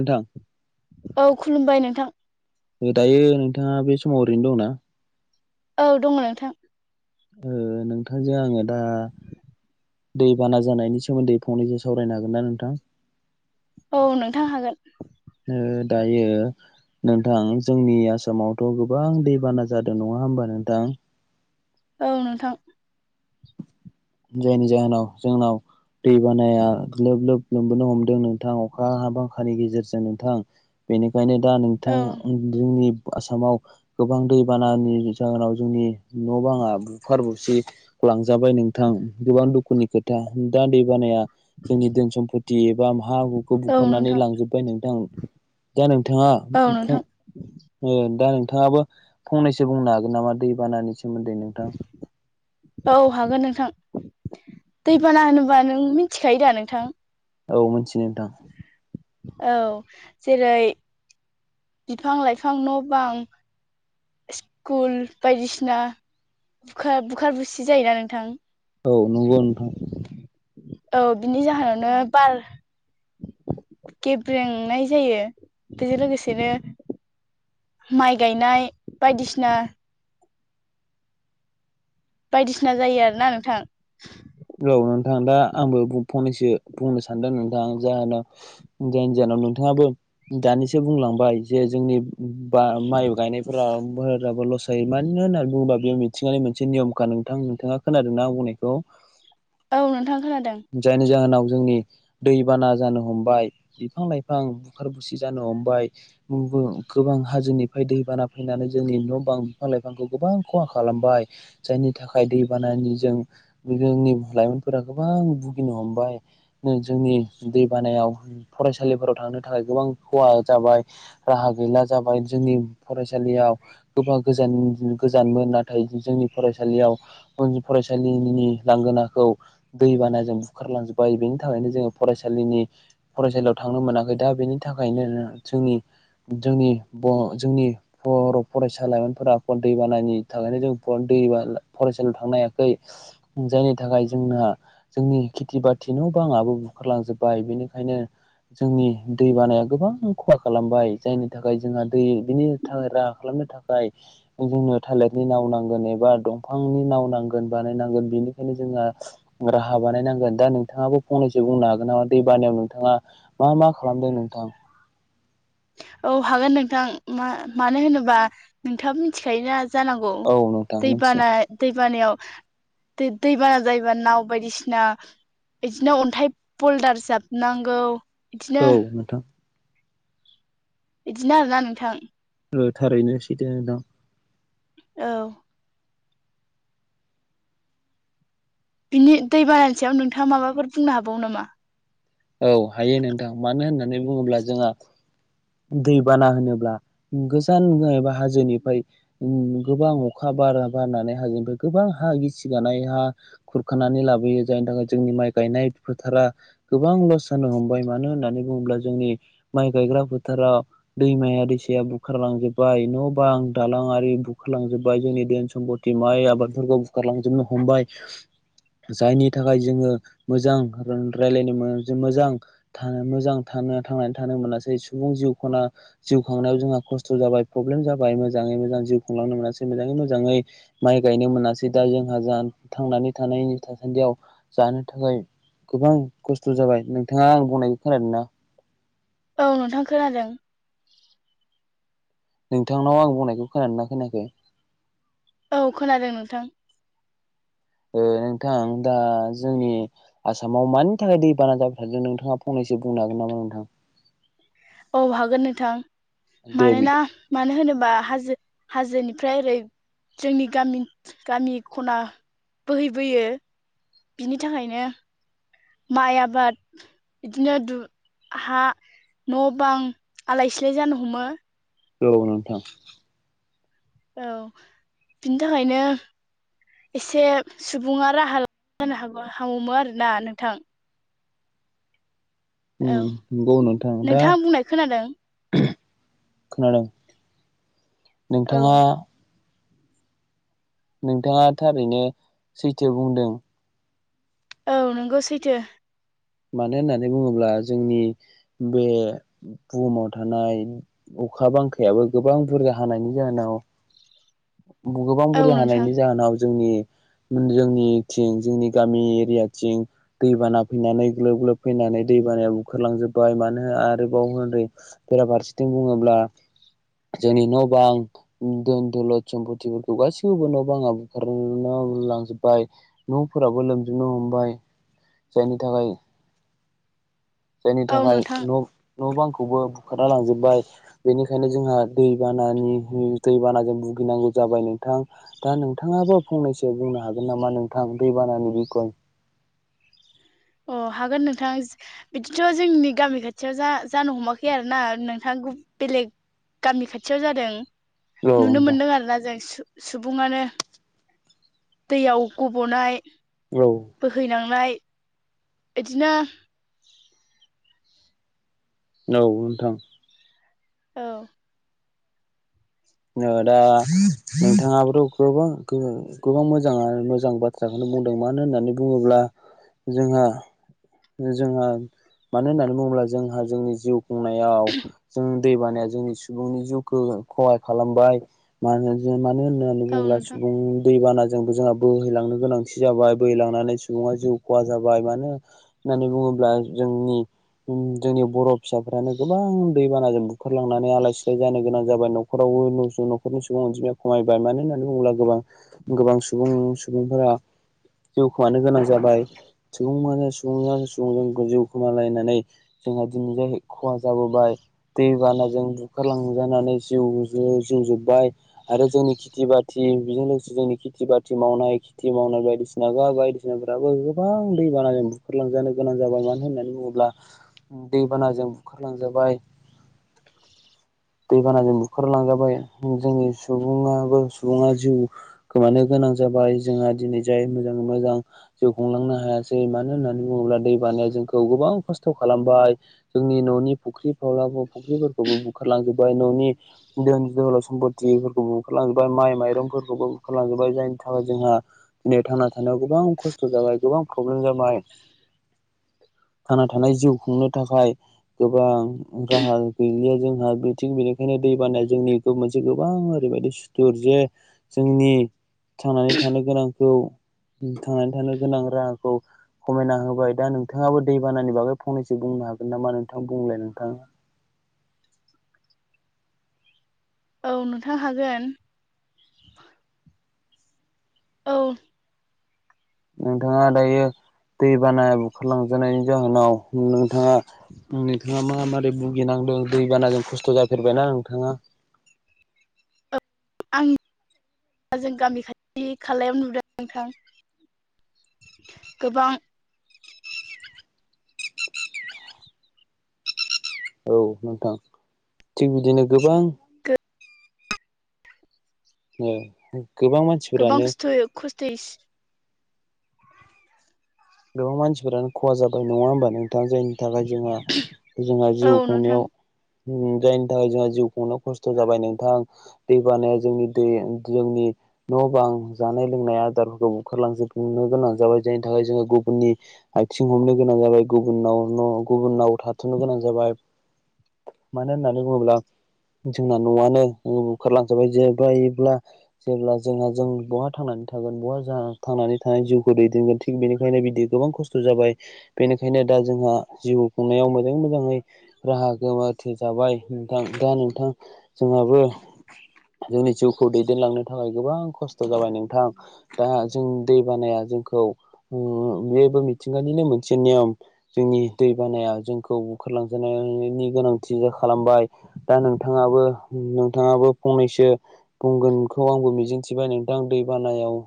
नोंथां औ खुलुमबाय नोंथां। दायो नोंथाङा बे समाव ओरैनो दं ना? औ दङ नोंथां। ओ नोंथांजों आङो दा दै बाना जानायनि सोमोन्दै फंनैसो सावरायनो हागोन ना नोंथां? औ नोंथां हागोन ओ दायो नोंथां जोंनि आसामावथ' गोबां दैबाना जादों नङा होमबा नोंथां? औ नोंथां। जायनि जाहोनाव जोंनाव दै बानाया लोब लोब लोमबोनो हमदों नोंथां अखा हा बांखानि गेजेरजों नोंथां बेनिखा खायनो दा औ नोंथां जोंनि आसामाव गोबां दैबानानि जाहोनाव जोंनि न' बाङा बुखार बुसि लांजाबाय नोंथां गोबां दुखुनि खोथा दा दै बानाया जोंनि धोन सम्फति एबा हा हुखौ औ बुखारनानै नोंथां लांजोबबाय नोंथां। दा नोंथाङा औ फं नोंथां ओ दा नों थाङाबो फंनैसो बुंनो हागोन नामा दै बानानि सोमोन्दै नोंथां? औ हागोन नोंथां दैबाना होनोबा नों मिथिखायो दा नोंथां? औ मोनथियो नोंथां। औ जेरै बिफां लाइफां न' बां स्कुल बायदिसिना बुखार बुखार बुसि जायोना नोंथां? औ नंगौ नोंथां। औ बिनि जाहोनावनो बार गेब्रेंनाय जायो बेजों लोगोसेनो माइ गायनाय बायदिसिना बायदिसिना जायो आरोना नोंथां। औ नोंथां दा आंबो फंनैसो बुंनो सानदों नोंथां जाहोनाव जायनि जाउन आव नोंथाङाबो दानिसो बुंलांबाय जे जोंनि। बा माइ गायनायफोराबो लस जायो मानो होननानै बुङोबा बेयाव मिथिंगानि मोनसे नियमखा नोंथां नोंथाङा खोनादोंना आं बुंनायखौ? औ नोंथां। खोनादों जायनि जहोनाव जोंनि दैबाना जानो हमबाय बिफां लाइफां बुखार बुसि जानो हमबाय। गोबां हाजोनिफ्राय दैबाना फैनानै जोंनि न' बां बिफां लाइफांखौ गोबां खहा खालामबाय। जायनि थाखाय दै बानानि जों जोंनि लाइमोनफोरा गोबां भुगिनो हमबाय जोंनि दै बानायाव फरायसालिफोराव थांनो थाखाय गोबां खहा जबाय राहा गैला जाबाय जोंनि फरायसालियाव गोबां गोजान गोजाननि नाथाय जोंनि फसालियाव फरायसालिनि लांगोनाखौ दै बाना जों बुखारलांजोबबाय बेनि थाखायनो जोङो फरायसालिनि फरायसालियाव थांनो मोनाखै दा बेनि थाखायनो। जोंनि जोंनि जोंनि बर' फरायसा लाइमोनफोरा दै बानायनि थाखायनो जों फरायसालियाव थांनो हायाखै जायनि थाखाय जोंना जोंनि खेथि बाथि ना बांङाबो बुखारलांजोबबाय बेनिखायनो। जोंनि दै बानाया गोबां खहा खालामबाय जायनि थाखाय जोंहा दै बिनि थाखाय राहा खालाम थाखाय जोंनो थालिरनि नाव नांगोन एबा दंफांनि नाव नांगोन बानायनांगोन बिनि नो जोंना [inaudible] राहा बानायनांगोन दा नोंथाङाबो फंनैसो बुंनो हागोन नामा दै बानायाव नोंथाङा मा मा खालामदों नोंथां। औ हागोन नोंथां मा मानो होनोबा नोंथाङाबो मिथिखायो। जानांगौ औ नोंथां मिथियो दैबाना दैबानायाव। दै दैबाना जायोबा नाव बायदिसिना। बिदिनो अन्थाइ पलदार जाबनांगौ। बिदिनो औ नोंथां। बिदिनो आरोना नोंथां। थारैनो सैथो नोंथां । औ बिनि दै बानानि सायाव नोंथाङा माबाफोर बुंनो हाबावो नामा? औ हायो नोंथां मानो होननानै बुङोब्ला जोंहा। दैबाना होनोब्ला गोजान एबा हाजोनिफ्राय गोबां अखा। बारा बारनानै हाजोनिफ्राय गोबां हा गिसिगानाय हा खुरखानानै लाबोयो जायनि थाखाय जोंनि माइ। गायनाय फोथारा। गोबां लस जानो हमबाय मानो होननानै बुङोब्ला जोंनि माइ गायग्रा फोथाराव दैमायारि बुखारलांजोब्बाय न' बां दालां आरि बुखारलांजोब्बाय जोंनि धोन सम्पति माइ आबाद। बुखारलांजोबनो हमबाय जायनि थाखाय जोङो मोजां रायलायनो मोन मोजां थांनानै थानो मोनासै सुबुं जिउ खना जिउ खांनायाव जों । खस्थ' जाबाय प्रब्लेम जाबाय मोजाङै मोजां जिउ खुंलांनो मोनै मोजाङै मोजाङै माइ गायनो मोनाखिसै दा जोंहा थांनानै थानायनि थासान्दियाव जानो थाखाय गोबां खस्थ'। बुस्थु जाबाय नोंथाङा आं बुंनायखौ खोनादों ना। औ नोंथां खोनादों। नोंथांनाव आं बुंनायखौ खोनादोंना खोनाखै। औ खोनादों नोंथां। ओ नोंथां। एसे बुंनो हागोन नामा नोंथां? औ हागोन नोंथां दे मानोना बिदि मानो होनोबा हाजो हाजोनिफ्राय ओरै जोंनि गामि, गामि ख'ना बोहैबोयो बिनि थाखायनो माइ आबाद बिदिनो दु हा न' बां आलाय सिलाय जानो हमो। औ नोंथां। औ बिनि थाखायनो एसे सुबुङा राहा [unintelligible] हागौमोन आरोना नोंथां? उम औ नंगौ नोंथां दा नोंथाङा बुंनाय खोनादों खोनादों? औ नोंथाङा नोंथाङा थारैनो सैथो बुंदों औ नोंगौ सैथो। मानो होननानै बुङोब्ला जोंनि बे बुहुमाव थानाय अखा बांखायाबो गोबां बुरजा हानायनि जाहोनाव [inaudible] गोबां औ बुरजा नोंथां हानानायनि जाहोनाव जोंनि जोंनिथिं जोंनि गामि एरियाथिं दै बाना फैनानै ग्लोब ग्लोब फैनानै दै बानायाव बुखारलांजोब मानो होननो आरोबाव बेराफारसेथिं बुङोब्ला जोंनि न' बां दोन-दोलद सम्पतिफोरखौ गासैखौबो न' बाङा बुखारना बाय न'फोराबो लोमजोबनो हमबाय जायनि थाखाय जायनि औ थाखाय नोंथां न' न' बां खौबो बुखारना लांजोबबाय बेनिखायनो जोंहा दैबानानि दैबानाजों भुगिनांगौ जा बाय नोंथां दा नोंथाङाबो फंनैसो बुंनो हागोन नामा नोंथां दैबानानि बिख'य? अ हागोन नोंथां बिदिथ' जोंनि गामि खाथियाव जा जानो हमाखै आरोना नोंथां बेलेग गामि खाथियाव जादों नुनो नोंथां मोनदों आरोना जों‌ सुबुङानो दैयाव गब'नाय औ औ बोहैलांनाय इदिनो औ नोंथां। औ ओ दा नोंथाङाबोथ' गोबां गोबां मोजां मोजां बाथ्राखौनो बुंदों मानो होननानै बुङोब्ला जोंहा जोंहा मानो होननानै बुङोब्ला जोंहा जोंनि जिउ खुंनायाव जों दै बानाया जोंनि सुबुंनि जिउखौ खहा खालामबाय मा मानो होन होननानै औ बुङोब्ला नोंथां सुबुं दै बाना जोंबो जोंहा बोहैलांनो गोनांथि जाबाय बोहैलांनानै सुबुंङा जिउ खहा जाबाय मानो होननानै बुङोब्ला जोंनि जोंनि बर' फिसाफ्रानो गोबां दैबानाजों बुखारलांनानै आलाय सिलाय जानो गोनां जाबाय न'खराव न'खरनि सुबुं अनजिमाया खमायबाय मानो होननानै बुङोब्ला गोबां गोबां सुबुं सुबुंफोरा जिउ खोमानो गोनां जाबाय, सुबुं [unintelligible] सुबुं जों जिउ खोमालायनानै जोंहा दिनै जाय खहा जाबोबाय दै बानाजों बुखारलांजानानै जिउ जिउ जोब्बाय आरो जोंनि खिथि बाथि बेजों लोगोसे जोंनि खेथि बाथि मावनाय खेथि मावनाय बायदिसिना बायदिसिनाफोराबो गोबां दैबानाजों बुखारलांजानो गोनां जाबाय मानो होननानै बुङोब्ला दैबानाजों बुखारलांजाबाय [inaudible] दैबानाजों बुखारलांजाबाय जोंनि सुबुंआबो सुबुङा जिउ खोमानो गोनां जाबाय। जोंहा दिनै जाय मोजाङै मोजां जिउ खुंलांनो हायासै मानो होननानै बुंङोब्ला दै बानाया जोंखौ गोबां खस्थ' खालामबाय जोंनि न'नि फुख्रि [unintelligible] फुख्रिफोरखौबो बुखारलांजोब न'नि दोन जोल' सम्फथिफोरखौबो बुखारलांजोबबाय माइ माइरंफोरखौबो बुखारलांजोबबाय जायनि थाखाय जोंहा थांना दिनै थानायाव गोबां खस्थ' जाबाय गोबां प्रब्लेम जाबाय। [inaudible] थांना थानाय जिउ खुंनो थाखाय गोबां राहा गैलिया जोंहा बिथिं बेनिखायनो दै बानाया जोंनि मोनसे गोबां ओरैबायदि सुथुर जे जोंनि थांनानै थानो गोनांखौ थांनानै थानो गोनां राहाखौ खमायना होबाय दा नोंथाङाबो दैबानानि बागै फंनैसो बुंनो हागोन नामा नोंथां बुंलाय नोंथाङा। [inaudible] औ नोंथां हागोन। औ। नोंथाङा दायो दैबाना बुखारलांजानायनि जाहोनाव नोंथाङा नोंथाङा मा मारै भुगिनांदों दैबानाजों खस्थ' जाफेरबायना नोंथाङा? औ। आं जों गामि खाथि खालायाव नुदों नोंथां गोबां औ नोंथां थिग बिदिनो गोबां गोबां मानसिफोरानो तैस गोबां मानसिफोरानो खहा जाबाय नङा होमबा नोंथां जायनि थाखाय जोंहा जोंहा जिउ औ नोंथां खुंनायाव जायनि थाखाय जोंहा जिउ खुंनो खस्थ' जाबाय नोंथां दै बानाया जोंनि दै जोंनि न' बां जानाय लोंनाय आदारफोरखौ बुखारलांजोबनो गोनां जाबाय जायनि थाखाय जोङो गुब गुबुननि आथिं हमनो गोनां जाबाय गुबुननाव न' गुबुनाव थाथ'नो गोनां जाबाय। मानो होननानै बुङोब्ला जोंना न'आनो बुखारलांजाबाय जेबायब्ला जेब्ला जोंहा जों बहा थांनानै थागोन बहा थांनानै थानाय जिउखौ दैदेनगोन थिग बेनिखायनो बिदि गोबां खस्थ' जाबाय बेनिखायनो दा जोंहा जिउ खुंनायाव मोजाङै मोजाङै राहाखौ रुवाथि थाबाय नोंथां दा नोंथां जोंहाबो जोंनि जिउखौ दैदेनलांनो थाखाय गोबां खस्थ' जाबाय नोंथां दा जों दै बानाया जोंखौ उम बेबो मिथिंगानिनो मोनसे नेम जोंनि दै बानाया जोंखौ बुखारलांजानायनिबो गोनांथि खालामबाय दा नोंथाङाबो नोंथाङाबो फंनैसो बुंगोनखौ आंबो मिजिंथिबाय नोंथां दै बानायाव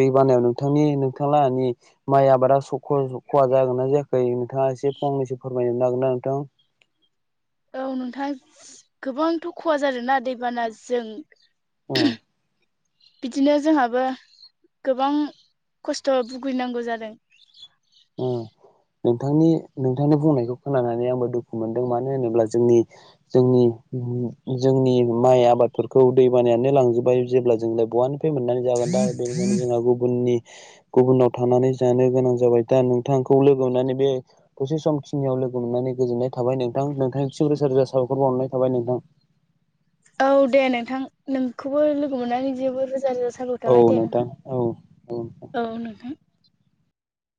दै बानायाव नोंथांनि नोंथालाहानि माइ आबादा स ख-खहा जागोना जायाखै नोंथाङा एसे फंनैसो फोरमायनो नागोन ना नोंथां? औ नोंथां गोबांथ' खहा जादोना दैबानाजों उम [inaudible] बिदिनो जोंहाबो गोबां खस्थ' भुगिनांगौ जादों। उम। नोंथांनि नोंथांनि बुंनायखौ खोनानानै आंबो दुखु मोनदों मानो होनोब्ला जोंनि जोंनि जोंनि माइ आबादफोरखौ दै बानायानो लांजोबबाय जेब्ला जोंलाय बहानिफ्राय मोननानै जा दा बेनिखायनो जोंहा गुबननि गुबुनाव थानानै जानो गोनां जाबाय। दा नोंथांखौ लोगो मोननानै बे दसे समखिनियाव लोगो मोननानै गोजोननाय थाबाय नों नोंथांनिसिम रोजा रोजा साबायखर बावहरनाय थाबाय नोंथां। औ दे नोंथां नोंखौबो लोगो मोननानै जेबो रोजा रोजा साबायखर औ थाबाय दे नोंथां औ औ नोंथां।